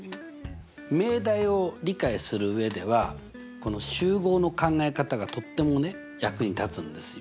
命題を理解する上ではこの集合の考え方がとってもね役に立つんですよ。